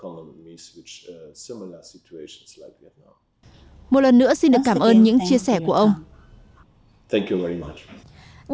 một lần nữa xin được cảm ơn những chia sẻ của ông